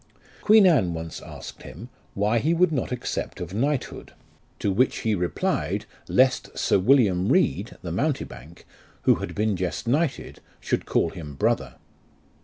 Queen Anne once asked him, why he would not accept of knighthood ? To which he replied, lest Sir William Read, the mountebank, who had been just knighted, should call him brother.